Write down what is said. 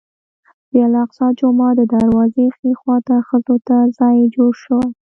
د الاقصی جومات د دروازې ښي خوا ته ښځو ته ځای جوړ شوی.